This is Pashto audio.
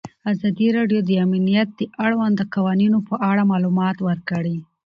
ازادي راډیو د امنیت د اړونده قوانینو په اړه معلومات ورکړي.